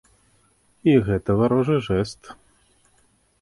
І гэта варожы жэст.